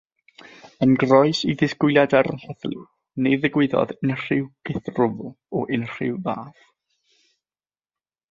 Yn groes i ddisgwyliadau'r heddlu, ni ddigwyddodd unrhyw gythrwfl o unrhyw fath.